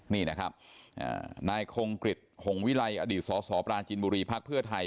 นี่นะครับนายคงกริจหงวิลัยอดีตสสปราจินบุรีภักดิ์เพื่อไทย